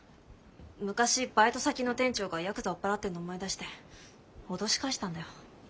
昔バイト先の店長がヤクザ追っ払ってんの思い出して脅し返したんだよ。